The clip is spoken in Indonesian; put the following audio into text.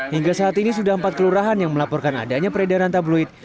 hingga saat ini sudah empat kelurahan yang melaporkan adanya peredaran tabloid